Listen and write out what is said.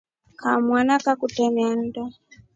Kamana kakutemia nndo.